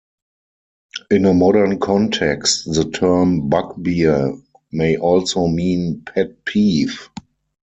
In a modern context, the term "bugbear" may also mean pet peeve.